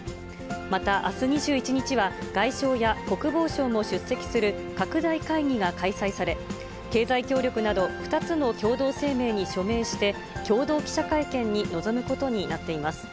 また、あす２１日は外相や国防相も出席する拡大会議が開催され、経済協力など、２つの共同声明に署名して、共同記者会見に臨むことになっています。